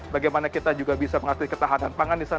bagaimana kita juga bisa mengakhiri ketahanan pangan di sana